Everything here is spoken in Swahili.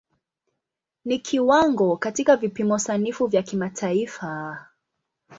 Ni kiwango katika vipimo sanifu vya kimataifa.